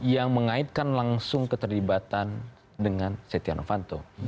yang mengaitkan langsung keterlibatan dengan setiano panto